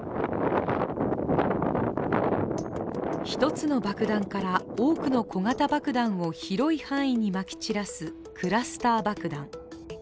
１つの爆弾から、多くの小型爆弾を広い範囲にまき散らすクラスター爆弾。